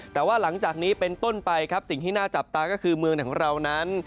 แต่ว่าหลังจากนี้เป็นต้นไปครับสิ่งที่น่าจับตาก็คือเมืองของเรานั้น